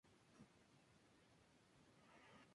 Fue conocida por tener el mismo nombre que la modelo homónima.